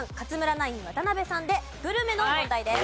ナイン渡辺さんでグルメの問題です。